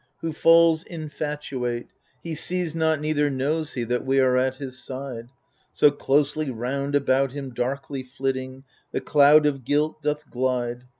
Who falls infatuate, he sees not neither knows he That we are at his side ; So closely round about him, darkly flitting, The cloud of guilt doth glide.